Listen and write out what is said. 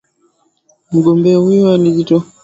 Mgombea huyo alijitokeza kutawanya umati uliokuwa ukimsubiri